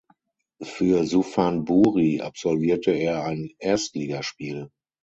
Für Suphanburi absolvierte er ein Erstligaspiel.